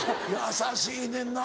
優しいねんな。